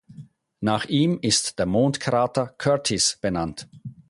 Nach ihm ist der Mondkrater Curtis benannt.